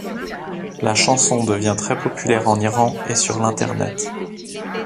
La chanson devient très populaire en Iran et sur l'Internet.